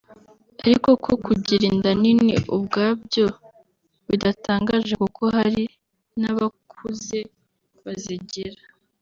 ariko ko kugira inda nini ubwabyo bidatangaje kuko hari n’abakuze bazigira